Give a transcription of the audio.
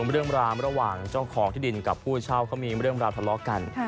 เรื่องราวระหว่างเจ้าของที่ดินกับผู้เช่าเขามีเรื่องราวทะเลาะกัน